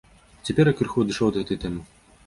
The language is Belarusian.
Цяпер я крыху адышоў ад гэтай тэмы.